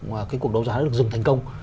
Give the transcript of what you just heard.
mà cái cuộc đấu giá đã được dừng thành công